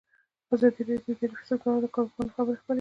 ازادي راډیو د اداري فساد په اړه د کارپوهانو خبرې خپرې کړي.